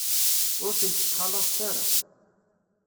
Ur tent-ttxalaḍet ara.